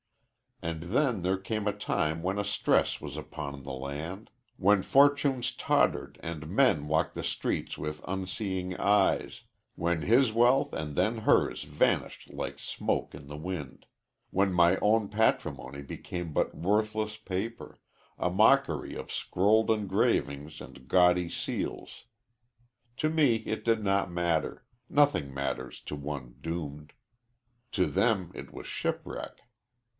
And then there came a time when a stress was upon the land when fortunes tottered and men walked the streets with unseeing eyes when his wealth and then hers vanished like smoke in the wind when my own patrimony became but worthless paper a mockery of scrolled engravings and gaudy seals. To me it did not matter nothing matters to one doomed. To them it was shipwreck.